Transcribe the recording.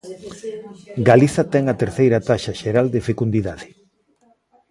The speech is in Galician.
Galiza ten a terceira taxa xeral de fecundidade.